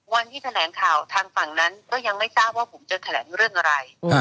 วันที่แถลงข่าวทางฝั่งนั้นก็ยังไม่ทราบว่าผมจะแถลงเรื่องอะไร